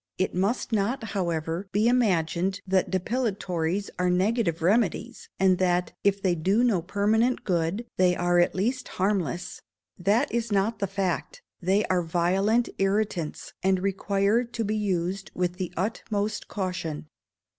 It must not, however, be imagined that depilatories are negative remedies, and that, if they do no permanent good, they are, at least, harmless; that is not the fact; they are violent irritants, and require to be used with the utmost caution."